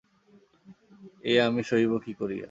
এ আমি সহিব কী করিয়া?